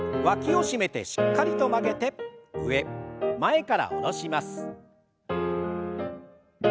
わきを締めてしっかりと曲げて上前から下ろします。